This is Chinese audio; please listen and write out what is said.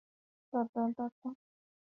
院内的米市教堂能容八百人。